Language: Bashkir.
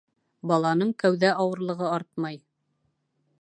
- баланың кәүҙә ауырлығы артмай.